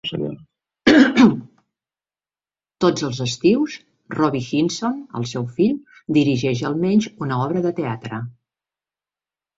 Tots els estius, Robby Henson, el seu fill, dirigeix almenys una obra al teatre.